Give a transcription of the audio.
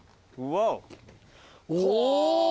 お。